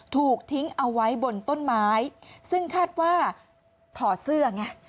ถูกทิ้งเอาไว้บนต้นไม้ซึ่งคาดว่าถอดเสื้อไง